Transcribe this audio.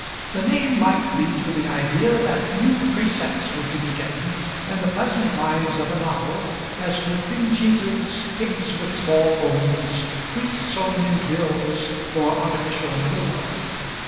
The name might lead to the idea that new precepts were to be given, in the pleasant guise of a novel, as to cream cheeses, pigs with small bones, wheat sown in drills, or artificial manure.